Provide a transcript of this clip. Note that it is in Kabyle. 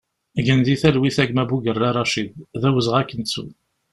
Gen di talwit a gma Bugerra Racid, d awezɣi ad k-nettu!